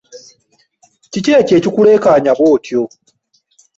Kiki ekyo ekikuleekanya bw'otyo?